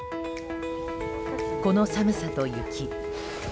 この寒さと雪。